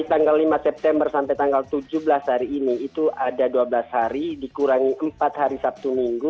tanggal lima september sampai tanggal tujuh belas hari ini itu ada dua belas hari dikurangi empat hari sabtu minggu